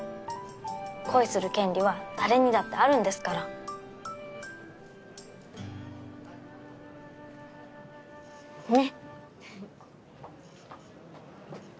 恋する権利は誰にだってあるんですから。ね！